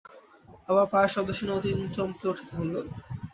আবার পায়ের শব্দ শুনে অতীন চমকে উঠে থামল।